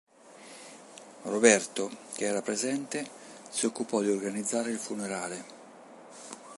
Roberto, che era presente, si occupò di organizzare il funerale.